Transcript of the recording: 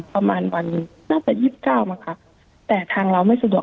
ประมาณวันนี้น่าจะยิบเก้ามาครับแต่ทางเราไม่สะดวก